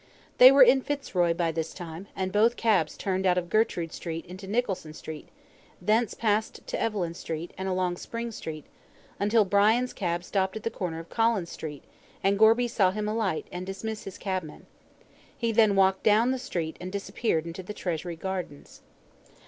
They were in Fitzroy by this time, and both cabs turned out of Gertrude Street into Nicholson Street; thence passed on to Evelyn Street and along Spring Street, until Brian's cab stopped at the corner of Collins Street, and Gorby saw him alight and dismiss his cab man. He then walked down the street and disappeared into the Treasury Gardens.